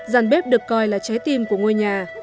giàn bếp được coi là trái tim của ngôi nhà